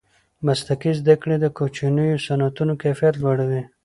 مسلکي زده کړې د کوچنیو صنعتونو کیفیت لوړوي.